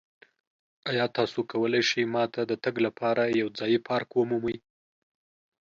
ایا تاسو کولی شئ ما ته د تګ لپاره یو ځایی پارک ومومئ؟